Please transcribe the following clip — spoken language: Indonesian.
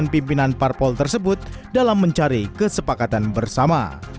pimpinan parpol tersebut dalam mencari kesepakatan bersama